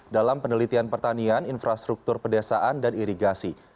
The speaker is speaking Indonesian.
dalam penelitian pertanian infrastruktur pedesaan dan irigasi